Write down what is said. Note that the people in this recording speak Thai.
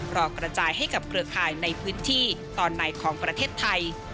รอกระจายให้กับเครือข่ายในพื้นที่ตอนในของประเทศไทย